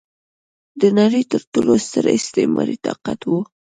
د نړۍ تر ټولو ستر استعماري طاقت و.